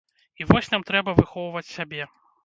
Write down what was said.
І вось нам трэба выхоўваць сябе.